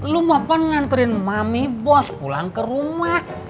lu mah pengantrin mami bos pulang ke rumah